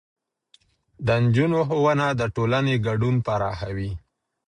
د نجونو ښوونه د ټولنې ګډون پراخوي.